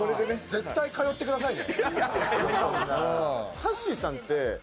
絶対通ってくださいね。